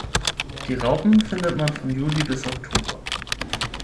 Die Raupen findet man von Juli bis Oktober.